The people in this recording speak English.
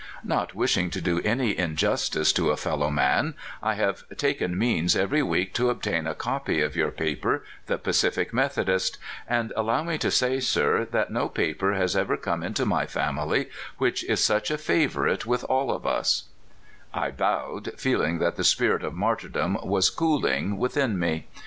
Not wishing to do any injustice to a fellow man, I have taken means every week to obtain a copy of your paper, the Pacific Methodist; and al low me to say, sir, that no paper has ever come into my family which is such a favorite with all of us/' I bowed, feeling that the spirit of martyrdom was cooling within me.